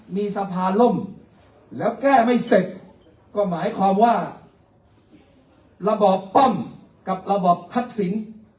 มีสภาล่มแล้วแก้ไม่เสร็จก็หมายความว่าระบอบป้อมกับระบอบทักษิณ